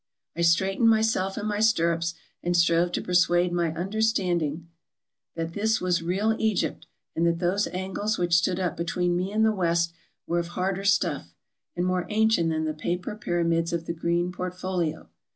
I straightened myself in my stirrups, and strove to persuade my under standing that this was real Egypt and that those angles which stood up between me and the West were of harder stuff, and more ancient than the paper pyramids of the green port folio.